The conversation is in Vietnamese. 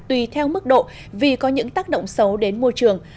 tùy theo mức độ vì có những tác động xấu đến môi trường